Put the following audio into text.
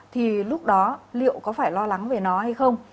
thì lúc đó liệu có phải lo lắng về nó hay không